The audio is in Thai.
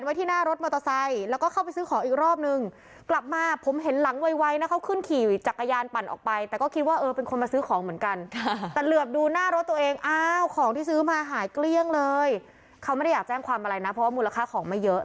ไม่ได้อยากแจ้งความอะไรนะเพราะว่ามูลค่าของไม่เยอะ